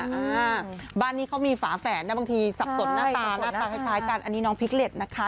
อ้าบ้านนี้เขามีฝาแฝนนะบางทีสับสนหน้าตาใช่ป่าไปกันอันนี้น้องพิไม์เลจนะคะ